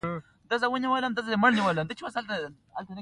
هو، نوی مهارتونه زده کوم